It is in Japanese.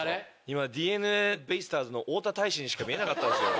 今ＤｅＮＡベイスターズの大田泰示にしか見えなかったんですよ。